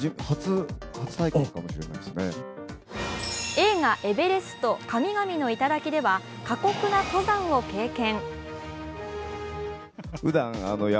映画「エヴェレスト神々の山嶺」では過酷な登山を経験。